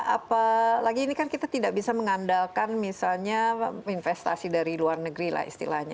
apalagi ini kan kita tidak bisa mengandalkan misalnya investasi dari luar negeri lah istilahnya